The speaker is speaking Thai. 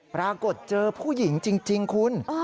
ปรากฏเจอผู้หญิงจริงคุณ